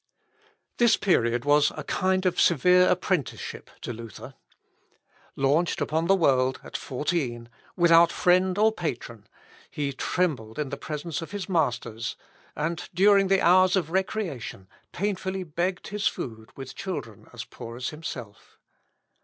This period was a kind of severe apprenticeship to Luther. Launched upon the world at fourteen, without friend or patron, he trembled in presence of his masters, and, during the hours of recreation, painfully begged his food with children as poor as himself.